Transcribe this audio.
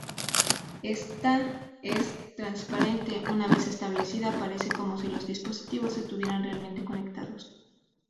Ésta es transparente: una vez establecida parece como si los dispositivos estuvieran realmente conectados.